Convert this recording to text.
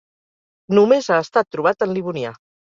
Només ha estat trobat en Livonià.